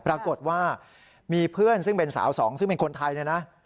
ปรากฏว่ามีเพื่อนซึ่งเป็นสาวสองซึ่งเป็นคนไทยเนี่ยนะ